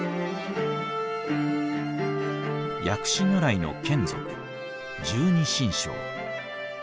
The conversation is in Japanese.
薬師如来の眷属十二神将。